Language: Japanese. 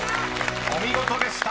［お見事でした］